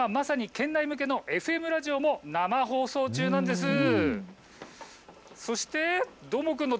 今まさに県内向けのＦＭラジオの放送中なんです。